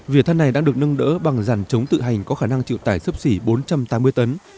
vỉa than này đang được nâng đỡ bằng dàn trống tự hành có khả năng chịu tải sấp xỉ bốn trăm tám mươi tấn